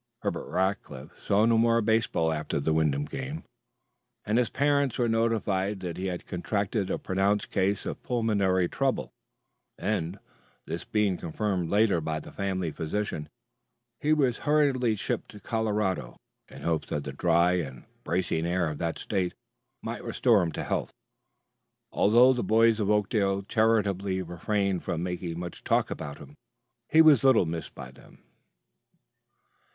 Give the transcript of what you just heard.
Herbert Rackliff saw no more baseball after the Wyndham game, for his parents were notified that he had contracted a pronounced case of pulmonary trouble, and, this being confirmed later by the family physician, he was hurriedly shipped to Colorado, in hopes that the dry and bracing atmosphere of that State might restore him to health. Although the boys of Oakdale charitably refrained from making much talk about him, he was little missed by them.